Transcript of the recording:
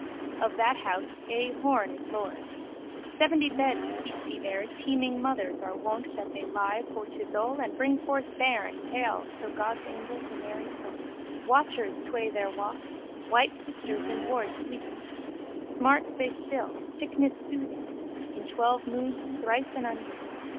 Of that house A. Horne is lord. Seventy beds keeps he there teeming mothers are wont that they lie for to thole and bring forth bairns hale so God's angel to Mary quoth. Watchers tway there walk, white sisters in ward sleepless. Smarts they still, sickness soothing: in twelve moons thrice an hundred.